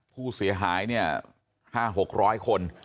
ผู้เสียหาย๕๐๐๖๐๐คน